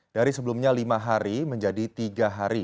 dari sebelumnya lima hari menjadi tiga hari